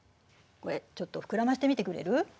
これちょっと膨らませてみてくれる？